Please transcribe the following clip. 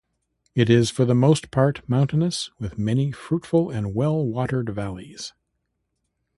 It is for the most part mountainous, with many fruitful and well-watered valleys.